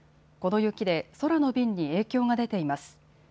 この雪で空の便に影響が出ています。